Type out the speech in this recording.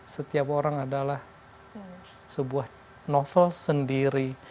setiap orang adalah sebuah novel sendiri